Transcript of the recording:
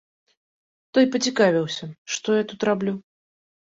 Той пацікавіўся, што я тут раблю.